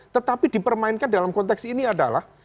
tetapi dipermainkan dalam konteks ini adalah